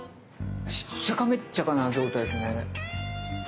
しっちゃかめっちゃかな状態ですね。